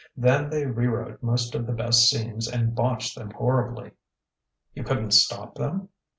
Then they rewrote most of the best scenes and botched them horribly." "You couldn't stop them?"